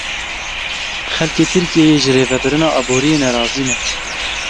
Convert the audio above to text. Xelkê Tirkiyeyê ji rêvebirina aboriyê nerazî ne.